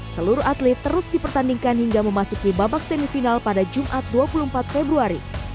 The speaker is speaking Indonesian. seluruh atlet terus dipertandingkan hingga memasuki babak semifinal pada jumat dua puluh empat februari